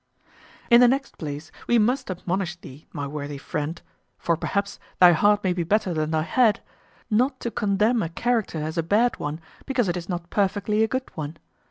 In the next place, we must admonish thee, my worthy friend (for, perhaps, thy heart may be better than thy head), not to condemn a character as a bad one, because it is not perfectly a good one.